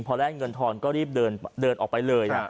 พอได้เงินทอนก็รีบเดินออกไปเลย